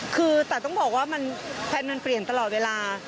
คือแต่ต้องบอกว่าแพลนมันเปลี่ยนตลอดเวลา